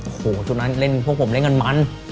โอ้โหชุดนั้นเล่นพวกผมเล่นกันมัน